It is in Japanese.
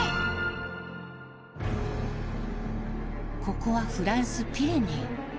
ここはフランスピレネー。